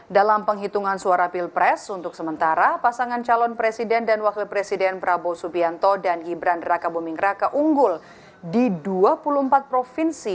dalam penghitungan suara pilpres untuk sementara pasangan calon presiden dan wakil presiden prabowo subianto dan gibran raka buming raka unggul di dua puluh empat provinsi